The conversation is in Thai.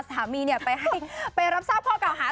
สามีไปรับทราบพ่อเก่าหา